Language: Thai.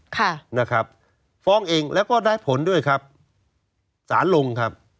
ค่ะนะครับฟ้องเองแล้วก็ได้ผลด้วยครับสารลงครับ